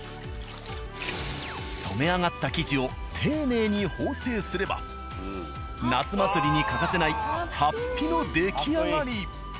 染め上がった生地を丁寧に縫製すれば夏祭りに欠かせない法被の出来上がり。